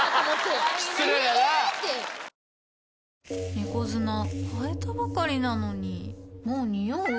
猫砂替えたばかりなのにもうニオう？